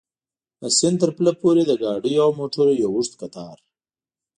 د سیند تر پله پورې د ګاډیو او موټرو یو اوږد کتار.